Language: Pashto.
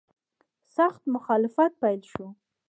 سخت مخالفت پیل شو.